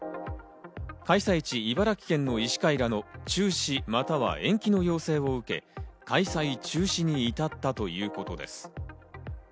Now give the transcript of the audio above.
開催地、茨城県の医師会からの中止または延期の要請を受け、開催中止に至ったということです。